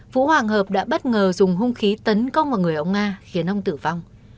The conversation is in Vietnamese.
vũ hoàng hợp đã bất ngờ dùng hung khí tấn công vào người ông nga khiến ông tử vong